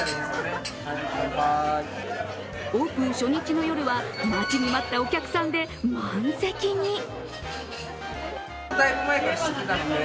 オープン初日の夜は待ちに待ったお客さんで満席に。